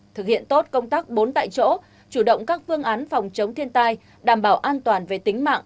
thực hiện tốt công tác bốn tại chỗ chủ động các phương án phòng chống thiên tai đảm bảo an toàn về tính mạng